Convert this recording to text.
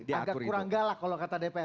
jadi agak kurang galak kalau kata dpr